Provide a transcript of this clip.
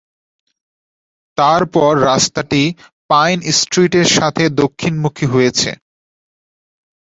তারপর রাস্তাটি পাইন স্ট্রিটের সাথে দক্ষিণমুখী হয়েছে।